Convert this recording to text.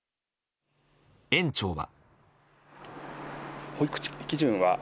園長は。